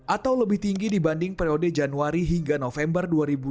atau lebih tinggi dibanding periode januari hingga november dua ribu dua puluh